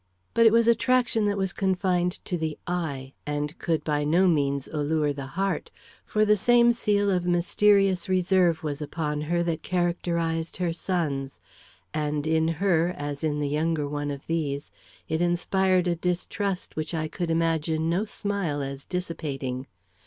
But it was attraction that was confined to the eye, and could by no means allure the heart, for the same seal of mysterious reserve was upon her that characterized her sons, and in her, as in the younger one of these, it inspired a distrust which I could imagine no smile as dissipating.